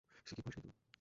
সিকি পয়সাই তো।